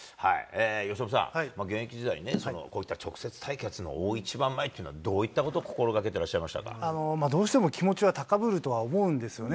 由伸さん、現役時代に直接対決の大一番前っていうのは、どういったことを心どうしても気持ちは高ぶるとは思うんですよね。